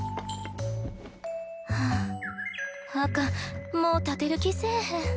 はああかんもう立てる気せえへん。